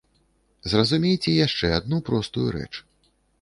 Зразумейце яшчэ адну простую рэч.